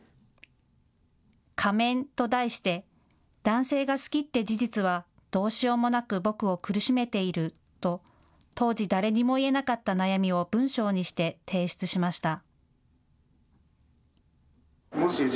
仮面と題して、男性が好きって事実はどうしようもなく僕を苦しめていると当時、誰にも言えなかった悩みを文章にして提出しました。